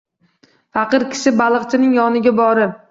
Faqir kishi baliqchining yoniga borib